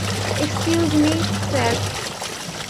Excuse me, sir.